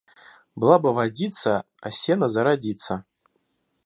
Была бы водица, а сено зародится.